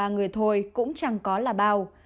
hai mươi ba người thôi cũng chẳng có là bao